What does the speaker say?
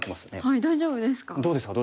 はい大丈夫ですか？